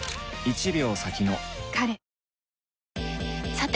さて！